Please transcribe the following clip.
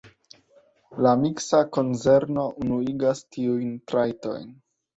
La miksa konzerno unuigas tiujn trajtojn.